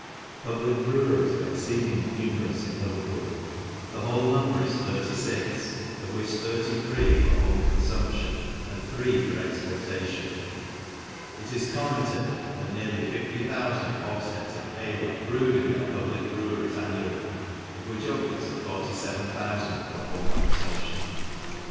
Public breweries are ex edingly numerous in Leverpool ; the whole num fcis thirty fix, of which thirty three are for home nfumption, and three for exportation. It is com ted, that near 50,000 hogfheads of ale are brewed thefe public breweries annually, of which up irds of 47,000 are for home confump tion.